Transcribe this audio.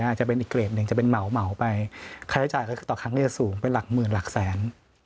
อาจจะเป็นอีกเกรดหนึ่งจะเป็นเหมาไปค่าใช้จ่ายต่อครั้งนี้จะสูงไปหลักหมื่นหลักแสน